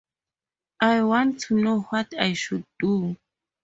I want to know what I should do.